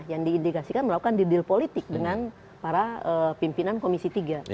yang diindikasikan melakukan di deal politik dengan para pimpinan komisi tiga